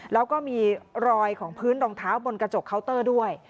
แล้วก็มีรอยของพื้นรองเท้าบนกระจกเคาน์เตอร์ด้วย